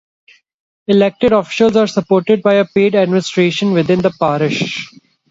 Elected officials are supported by a paid administration within the Parish.